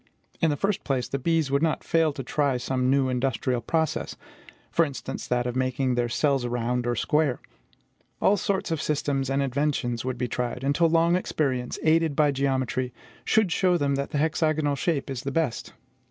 In the first place, the bees would not fail to try some new industrial process; for instance, that of making their cells round or square. All sorts of systems and inventions would be tried, until long experience, aided by geometry, should show them that the hexagonal shape is the best.